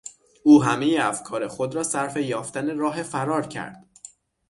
او همهی افکار خود را صرف یافتن راه فرار کرد.